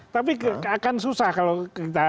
tapi akan susah kalau kita